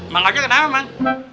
makanya kenapa mak